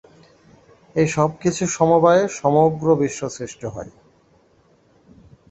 এই সবকিছুর সমবায়ে সমগ্র বিশ্ব সৃষ্ট হয়।